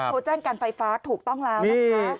โทรแจ้งการไฟฟ้าถูกต้องแล้วนะคะ